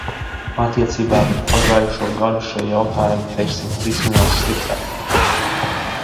Attiecībā pret pagājušo gadu šie jautājumi, teiksim, risinās sliktāk.